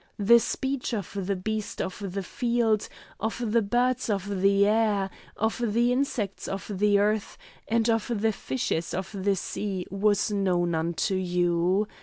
The speech of the beasts of the field, of the birds of the air, of the insects of the earth, and of the fishes of the sea, was known unto you.